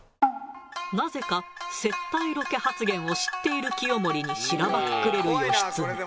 なぜか「接待ロケ」発言を知っている清盛にしらばっくれる義経。